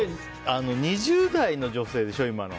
２０代の女性でしょ、今の。